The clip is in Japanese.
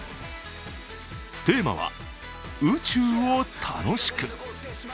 テーマは宇宙を楽しく。